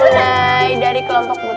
dimulai dari kelompok buta